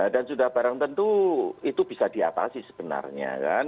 dan sudah barang tentu itu bisa diatasi sebenarnya